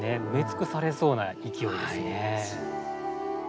埋め尽くされそうな勢いですね。